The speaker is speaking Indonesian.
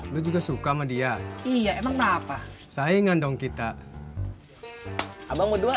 lu juga suka sama dia iya emang apa saingan dong kita abang berdua